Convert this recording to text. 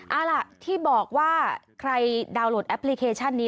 เอาล่ะที่บอกว่าใครดาวน์โหลดแอปพลิเคชันนี้